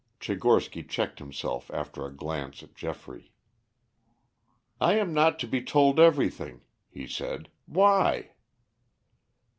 Tchigorsky checked himself after a glance at Geoffrey. "I am not to be told everything," he said. "Why?"